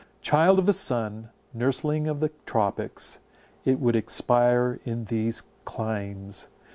Child of the sun, and nursling of the tropics, it would expire in these climes.